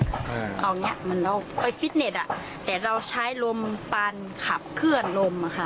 เอาอย่างนี้มันเราก็ไปฟิตเนสแต่เราใช้ลมปันขับเคลื่อนลมค่ะ